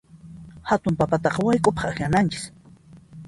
Hatun papataqa wayk'upaq akllananchis.